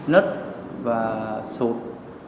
nứt và sụt